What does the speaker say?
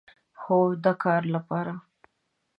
هو، د کار لپاره